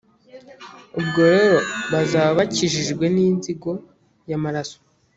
ubwo rero bazaba bakijijwe inzigo y’amaraso.